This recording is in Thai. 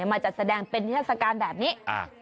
มาจัดแสดงเป็นเทศกาลแบบนี้